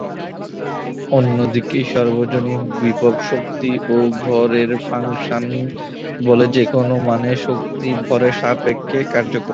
অন্যদিকে সার্বজনীন বিভব শক্তি ও ভরের ফাংশন বলে যেকোন মানের শক্তি ও ভরের সাপেক্ষে কার্যকর।